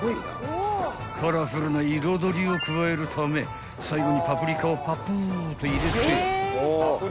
［カラフルな彩りを加えるため最後にパプリカをパプーと入れて］